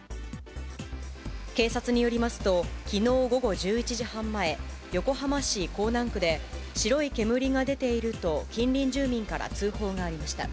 警察によりますと、きのう午後１１時半前、横浜市港南区で、白い煙が出ていると、近隣住民から通報がありました。